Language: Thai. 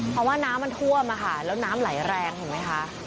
เพราะว่าน้ำมันท่วมอะค่ะแล้วน้ำไหลแรงเห็นไหมคะ